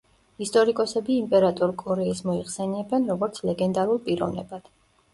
ისტორიკოსები იმპერატორ კორეის მოიხსენიებენ, როგორც ლეგენდალურ პიროვნებად.